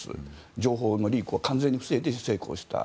情報のリークを完全に防いで成功した。